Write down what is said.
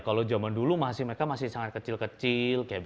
kalau zaman dulu mereka masih sangat kecil kecil